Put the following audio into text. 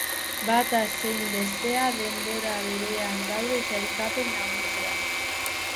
Bata zein bestea denbora berean daude sailkapen nagusian.